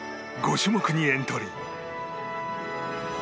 ５種目にエントリー。